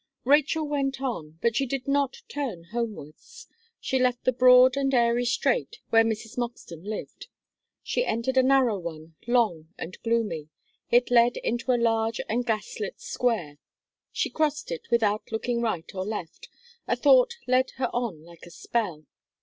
Rachel went on; but she did not turn homewards. She left the broad and airy strait, where Mrs. Moxton lived. She entered a narrow one, long and gloomy. It led her into a large and gas lit square. She crossed it without looking right or left: a thought led her on like a spell.